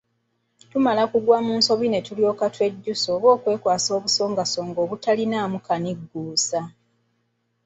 Tumala kugwa mu nsobi ne tulyoka twejjusa oba okwekwasa obusongasonga obutaliimu kanigguusa.